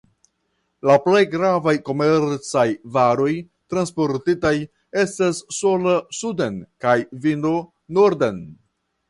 La plej gravaj komercaj varoj transportitaj estas salo suden kaj vino norden.